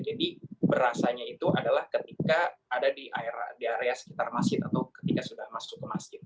jadi berasanya itu adalah ketika ada di area sekitar masjid atau ketika sudah masuk ke masjid